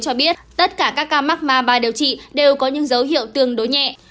cho biết tất cả các ca mắc mà bà điều trị đều có những dấu hiệu tương đối nhẹ